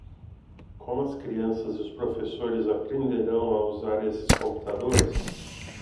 Como as crianças e os professores aprenderão a usar esses computadores?